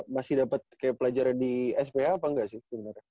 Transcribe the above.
masih dapat pelajaran di sph atau enggak sih